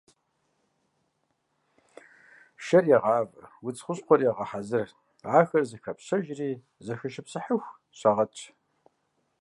Шэр ягъавэ, удз хущхъуэхэр ягъэхьэзыр, ахэр зэхапщэжри зэхэшыпсыхьыху щагъэтщ.